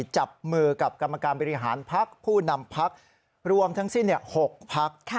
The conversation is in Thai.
จับมือกับกรรมการบริหารพักผู้นำพักรวมทั้งสิ้น๖พัก